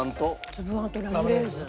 粒あんとラムレーズン。